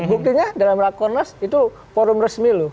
buktinya dalam rakornas itu forum resmi loh